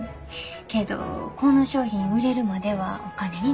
けどこの商品売れるまではお金になれへん。